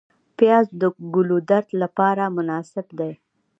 پیاز د ګلودرد لپاره مناسب دی